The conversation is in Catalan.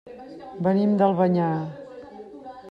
Venim d'Albanyà.